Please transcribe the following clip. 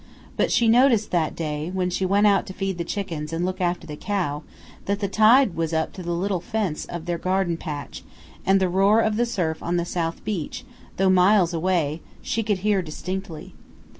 But she noticed that day, when she went out to feed the chickens and look after the cow, that the tide was up to the little fence of their garden patch, and the roar of the surf on the south beach, though miles away, she could hear distinctly.